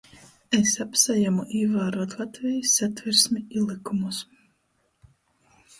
Es apsajamu īvāruot Latvejis Satversmi i lykumus.